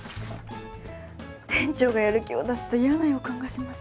店長がやる気を出すと嫌な予感がします。